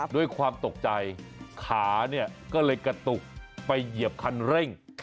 ด้วยความตกใจขาเนี่ยก็เลยกระตุกไปเหยียบคันเร่ง